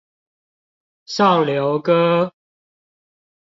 上流哥